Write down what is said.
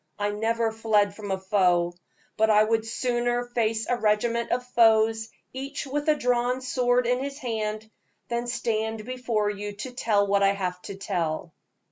I never fled from a foe, but I would sooner face a regiment of foes, each with a drawn sword in his hand, than stand before you to tell what I have to tell."